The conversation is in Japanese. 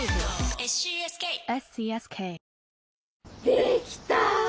・できた！